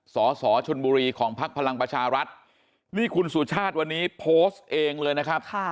สสชนบุรีของพักพลังประชารัฐนี่คุณสุชาติวันนี้โพสต์เองเลยนะครับ